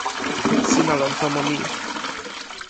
sina lon tomo mi.